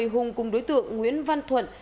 hùng cùng đối tượng nguyễn văn thuận